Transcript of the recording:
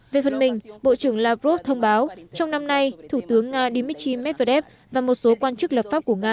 về phần mình bộ trưởng lavrov thông báo trong năm nay thủ tướng nga dmitry medvedev và một số quan chức lập pháp của nga